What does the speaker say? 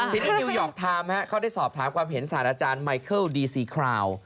ทีนี้นิวยอร์กไทม์เขาได้สอบถามความเห็นศาสตร์อาจารย์ไมเคิลดีซีคราว